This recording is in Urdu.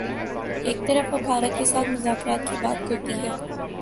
ایک طرف وہ بھارت کے ساتھ مذاکرات کی بات کرتی ہے۔